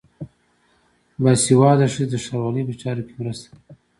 باسواده ښځې د ښاروالۍ په چارو کې مرسته کوي.